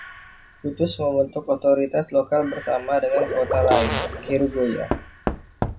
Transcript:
Kutus membentuk otoritas lokal bersama dengan kota lain, Kerugoya.